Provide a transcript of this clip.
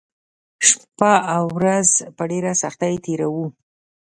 شپه او ورځ په ډېره سختۍ تېروو